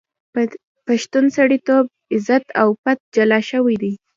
پښتون سړیتوب، عزت او پت جلا شوی دی.